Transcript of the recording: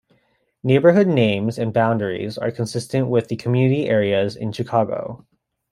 Neighborhood names and boundaries are consistent with the Community areas in Chicago.